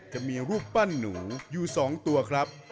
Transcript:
จะมีรูปปั้นหนูอยู่๒ตัวครับ